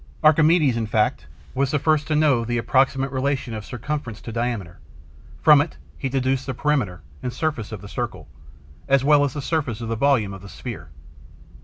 Archimedes, in fact, was the first to know the approximate relation of circumference to diameter; from it he deduced the perimeter and surface of the circle, as well as the surface and volume of the sphere.